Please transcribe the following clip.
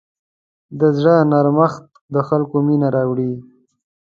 د زړه نرمښت د خلکو مینه راوړي.